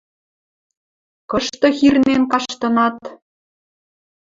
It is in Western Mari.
– Кышты хирнен каштынат?